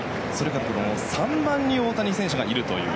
３番に大谷選手がいるといいう。